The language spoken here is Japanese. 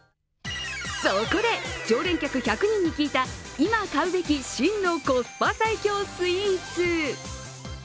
そこで、常連客１００人に聞いた今買うべき真のコスパ最強スイーツ。